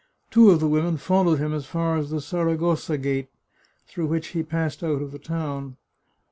Two of the women followed him as far as the Saragossa Gate, through which he passed out of the town.